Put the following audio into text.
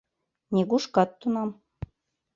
Нигушкат тунам: